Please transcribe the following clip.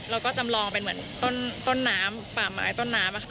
เราก็จำลองเป็นเหมือนต้นน้ำป่าไม้ต้นน้ำ